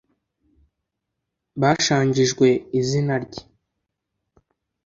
bashangijwe izina rye